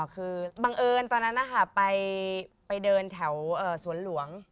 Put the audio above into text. คือบังเอิญตอนนั้นนะคะไปเดินแถวสวนหลวง